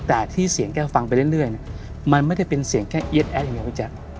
แต่ที่เสียงแกฟังไปเรื่อยมันไม่ได้เป็นเสียงแค่เอี๊ยดแอดอย่างเดียวพี่แจ๊ค